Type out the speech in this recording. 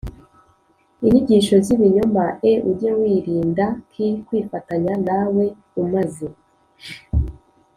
inyigisho z ibinyoma e ujye wirinda f kwifatanya na we umaze